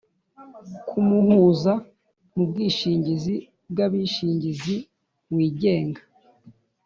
ku muhuza mu bwishingizi bw’abishingizi wigenga